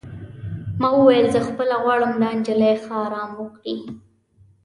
ما وویل: زه خپله غواړم دا نجلۍ ښه ارام وکړي.